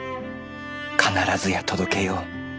必ずや届けよう。